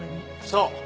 そう。